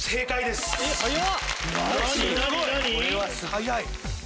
早い！